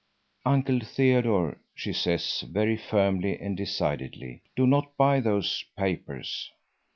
"Uncle Theodore," she says, very firmly and decidedly, "do not buy those papers!"